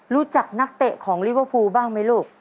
รู้จักนักเตะของลิเวอร์ฟูลบ้างไหมลูก